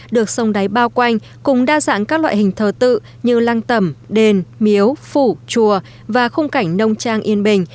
được sông đáy bao quanh cùng đa dạng các loại hình thờ tự như lăng tẩm đền miếu phủ chùa và khung cảnh nông trang yên bình